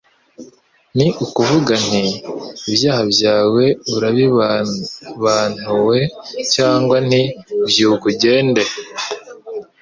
ni ukuvuga nti : ibyaha byawe urabibabantue? Cyangwa nti byuka ugende ?